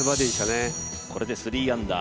これで３アンダー。